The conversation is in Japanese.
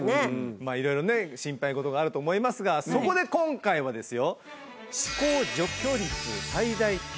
まあ色々ね心配事があると思いますがそこで今回はですよ。